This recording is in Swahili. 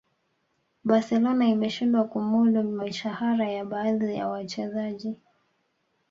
barcelona imeshindwa kuumudu mishahara ya baadhi ya wachezaji